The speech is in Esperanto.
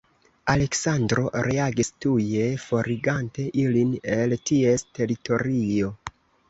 Aleksandro reagis tuje, forigante ilin el ties teritorio.